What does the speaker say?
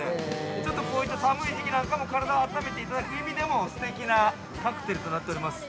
ちょっとこういう寒い時期なんかも体をあっためていただく意味でもすてきなカクテルとなっております。